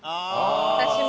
私も！